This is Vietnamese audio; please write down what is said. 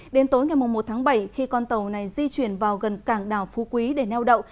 đến tối ngày một tháng bảy khi con tàu này di chuyển vào gần cảng đảo phú quý để neo đậu